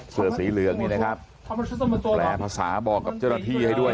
เสื้อสีเหลืองนี่นะครับแปลภาษาบอกกับเจ้าหน้าที่ให้ด้วย